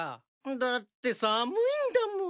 だって寒いんだもん。